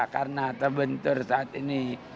karena terbentur saat ini